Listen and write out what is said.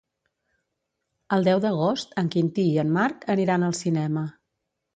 El deu d'agost en Quintí i en Marc aniran al cinema.